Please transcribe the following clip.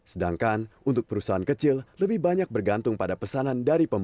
sedangkan untuk perusahaan kecil lebih banyak bergantung pada perusahaan yang terhadap rupiah